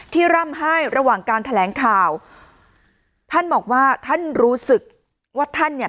ร่ำไห้ระหว่างการแถลงข่าวท่านบอกว่าท่านรู้สึกว่าท่านเนี่ย